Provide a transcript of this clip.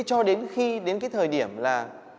cho đến khi đến thời điểm là